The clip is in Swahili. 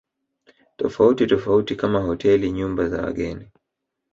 tofauti tofauti kama hoteli nyumba za wageni